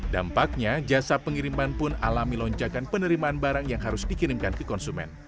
dampaknya jasa pengiriman pun alami lonjakan penerimaan barang yang harus dikirimkan ke konsumen